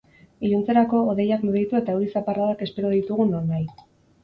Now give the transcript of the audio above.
Iluntzerako, hodeiak loditu eta euri zaparradak espero ditugu nonahi.